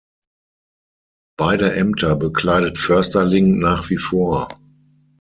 Beide Ämter bekleidet Försterling nach wie vor.